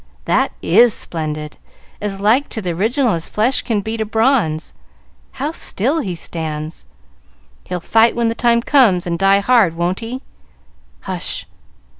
"That is splendid!" "As like to the original as flesh can be to bronze." "How still he stands!" "He'll fight when the time comes, and die hard, won't he?" "Hush!